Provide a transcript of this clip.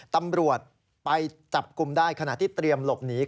ตำรวจไปจับกลุ่มได้ขณะที่เตรียมหลบหนี